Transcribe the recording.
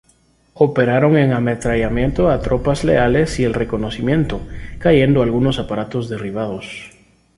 Operaron en ametrallamiento a tropas leales y el reconocimiento, cayendo algunos aparatos derribados.